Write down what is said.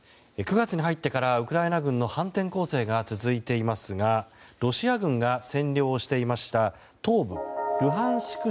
９月に入ってからウクライナ軍の反転攻勢が続いていますがロシア軍が占領していました東部ルハンシク